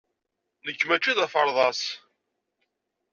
Nekk maci d aferḍas.